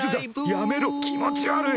やめろ気持ち悪い！